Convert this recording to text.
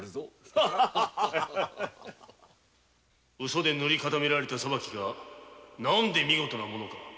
・嘘で塗り固められた裁きがなんで見事なものか。